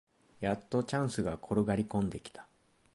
やっとチャンスが転がりこんできた